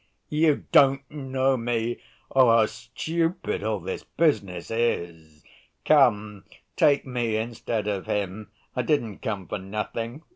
You don't know me! Oh, how stupid all this business is! Come, take me instead of him! I didn't come for nothing....